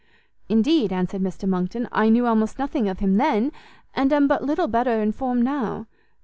"Indeed," answered Mr Monckton, "I knew almost nothing of him then, and I am but little better informed now.